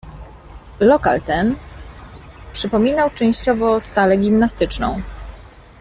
"Lokal ten przypominał częściowo salę gimnastyczną."